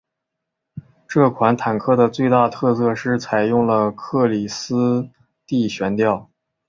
这款坦克的最大特色是采用了克里斯蒂悬吊。